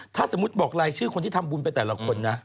ถ้าสมมุติบอกรายชื่อคนที่ทำบุญไปแต่ละคนนะ